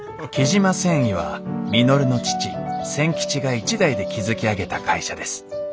雉真繊維は稔の父千吉が一代で築き上げた会社です。